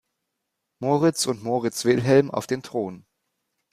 Moritz und Moritz Wilhelm auf den Thron.